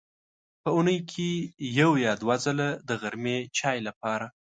په اوونۍ کې یو یا دوه ځله د غرمې چای لپاره.